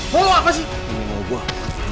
mau ngapain sih